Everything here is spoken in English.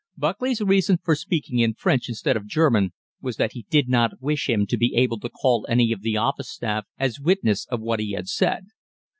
Buckley's reason for speaking in French instead of German was that he did not wish him to be able to call any of the office staff as witness of what he had said.